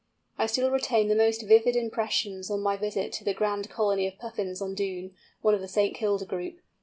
I still retain the most vivid impressions on my visit to the grand colony of Puffins on Doon, one of the St. Kilda group.